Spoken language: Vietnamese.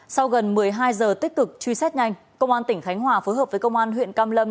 sau gần một mươi hai giờ tích cực truy xét nhanh công an tỉnh khánh hòa phối hợp với công an huyện cam lâm